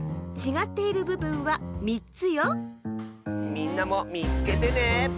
みんなもみつけてね。